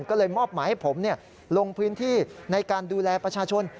ก็เลยมอบหมายให้ผมลงพื้นที่ในการดูแลประชาชน